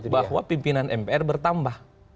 bahwa pimpinan mpr bertambah